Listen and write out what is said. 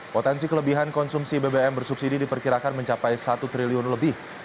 potensi kelebihan konsumsi bbm bersubsidi diperkirakan mencapai satu triliun lebih